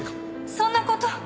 そんな事。